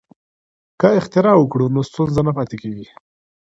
که اختراع وکړو نو ستونزه نه پاتې کیږي.